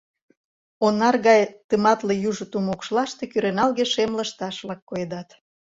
Онар гай тыматле южо тумо укшлаште кӱреналге-шем лышташ-влак коедат.